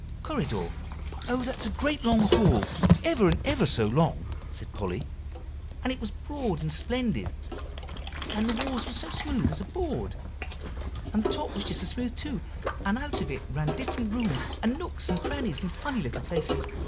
"Corridor; oh! that's a great long hall, ever and ever so long," said Polly; "and it was broad and splendid, and the walls were as smooth as a board, and the top was just as smooth too, and out of it ran different rooms, and nooks, and crannies, and funny little places.